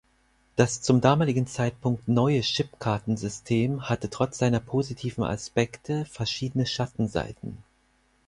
Das zum damaligen Zeitpunkt neue Chipkarten-System hatte trotz seiner positiven Aspekte verschiedene Schattenseiten.